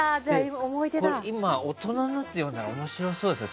大人になってから読んだら面白そうですよね。